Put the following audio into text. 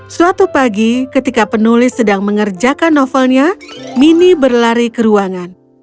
suatu pagi ketika penulis sedang mengerjakan novelnya mini berlari ke ruangan